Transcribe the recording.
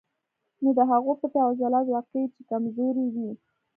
نو د هغو پټې او عضلات واقعي چې کمزوري وي